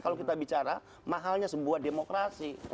kalau kita bicara mahalnya sebuah demokrasi